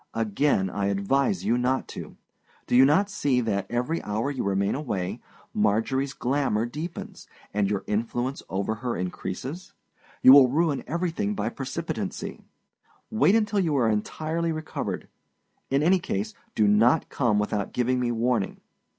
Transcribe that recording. Again I advise you not to. Do you not see that, every hour you remain away, Marjorieâs glamour deepens, and your influence over her increases? You will ruin everything by precipitancy. Wait until you are entirely recovered; in any case, do not come without giving me warning.